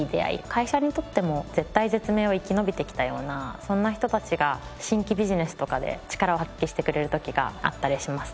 会社にとっても絶体絶命を生き延びてきたようなそんな人たちが新規ビジネスとかで力を発揮してくれる時があったりしますと。